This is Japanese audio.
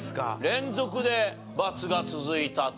連続でバツが続いたと。